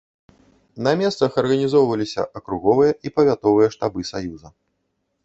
На месцах арганізоўваліся акруговыя і павятовыя штабы саюза.